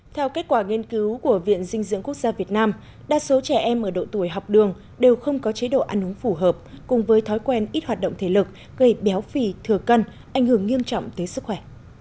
theo kết quả nghiên cứu của viện dinh dưỡng quốc gia việt nam đa số trẻ em ở độ tuổi học đường đều không có chế độ ăn uống phù hợp cùng với thói quen ít hoạt động thể lực gây béo phì thừa cân ảnh hưởng nghiêm trọng tới sức khỏe